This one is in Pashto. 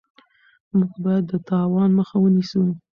موږ باید د تاوان مخه ونیسو.